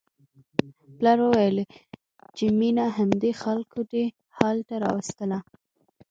پلار وویل چې مينه همدې خلکو دې حال ته راوستله